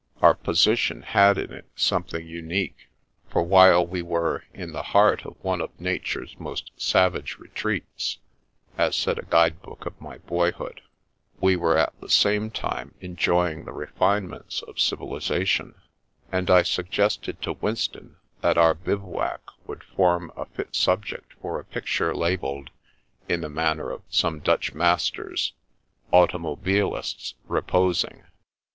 Our position had in it something unique, for while we were " in the heart of one of nature's most savage retreats" (as said a guide book of my boyhood), we were at the same time enjoying the refinements of civilisation, and I sug gested to Winston that our bivouac would form a fit subject for a picture labelled, in the manner of some Dutch masters, " Automobilists Reposing."